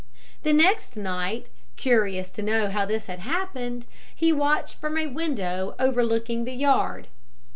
The next night, curious to know how this had happened, he watched from a window overlooking the yard.